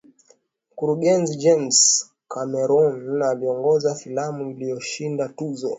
mkurugenzi james cameron aliongoza filamu iliyoshinda tuzo